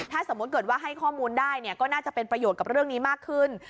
ถ้าสมมุติเกิดว่าให้ข้อมูลได้เนี่ยก็น่าจะเป็นประโยชน์กับเรื่องนี้มากขึ้น